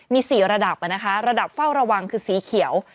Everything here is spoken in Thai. มี๔ระดับระดับเฝ้าระวังคือสีเขียว